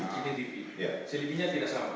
cctv cctv nya tidak sama